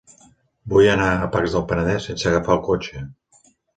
Vull anar a Pacs del Penedès sense agafar el cotxe.